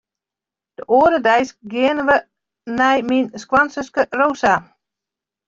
De oare deis geane wy nei myn skoansuske Rosa.